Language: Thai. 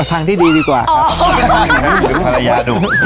แฟรกบรรยานุ่ม